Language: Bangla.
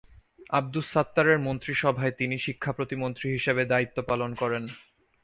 আবদুস সাত্তারের মন্ত্রিসভায় তিনি শিক্ষা প্রতিমন্ত্রী হিসেবে দায়িত্ব পালন করেন।